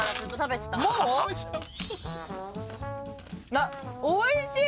あっおいしい！